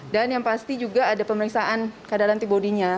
dan yang pasti juga ada pemeriksaan kadar antibodinya